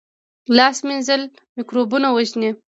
لاس مینځل مکروبونه وژني